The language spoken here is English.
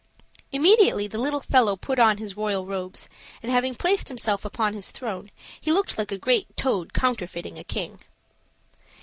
Immediately the little fellow put on his royal robes, and having placed himself upon his throne, he looked like a great toad counterfeiting a king.